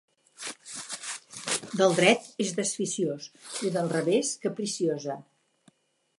Del dret és desficiós i del revés capriciosa.